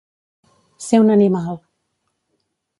Ser un animal.